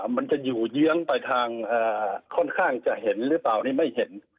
มันจะอยู่เยื้องไปทางค่อนข้างจะเห็นหรือเปล่านี่ไม่เห็น